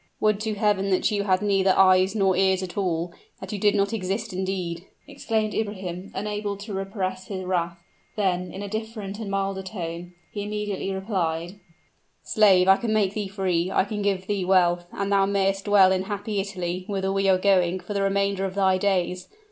"Would to Heaven that you had neither eyes nor ears at all that you did not exist, indeed!" exclaimed Ibrahim, unable to repress his wrath; then, in a different and milder tone, he immediately added, "Slave, I can make thee free I can give thee wealth and thou mayest dwell in happy Italy, whither we are going, for the remainder of thy days.